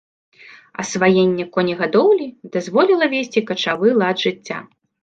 Асваенне конегадоўлі дазволіла весці качавы лад жыцця.